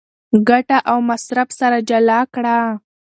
ګټه او مصرف سره جلا کړه.